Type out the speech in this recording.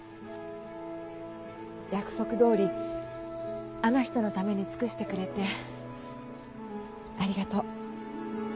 約束どおりあの人のために尽くしてくれてありがとう。